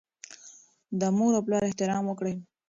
د مور او پلار احترام وکړئ.